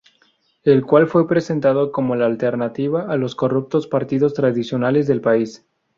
El cual fue presentado como la alternativa a los corruptos partidos tradicionales del país.